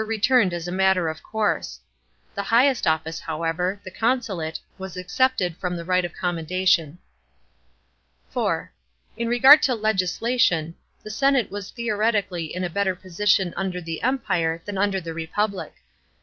85 returned as a matter of course. The highest office, however, the consulate * was excepted from the right of commendation. (4) In regard to legislation the senate was theoretically in a better position under the Empire than under the Republic.